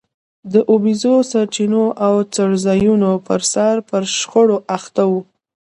د اوبیزو سرچینو او څړځایونو پرسر پر شخړو اخته وو.